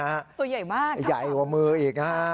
ตัวใหญ่มากตัวใหญ่กว่ามืออีกนะฮะ